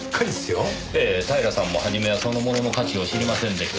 ええ平さんも初めはそのものの価値を知りませんでした。